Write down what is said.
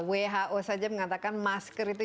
who saja mengatakan masker itu